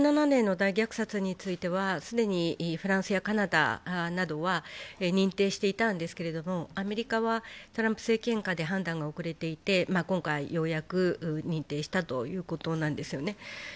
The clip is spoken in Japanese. ２０１７年の大虐殺については、既にフランスやカナダなどは認定していたんですけれどもアメリカはトランプ政権下で判断が遅れていて今回ようやく認定したということなんですよね。